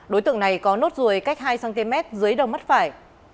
đối tượng này có nốt ruồi cách hai cm dưới đầu mắt phải